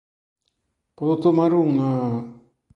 Podo tomar unha...?